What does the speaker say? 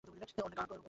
অন্যায় কার উপরে।